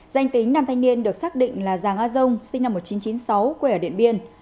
danh tính nam thanh niên được xác định là giàng a dông sinh năm một nghìn chín trăm chín mươi sáu quê ở điện biên